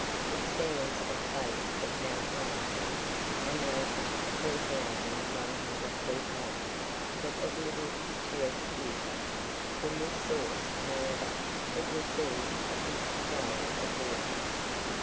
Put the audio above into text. It stands at the base of Mount Wellington, a mountain 3100 feet high, but of little picturesque beauty; from this source, however, it receives a good supply of water.